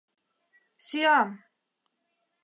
— Сӱан!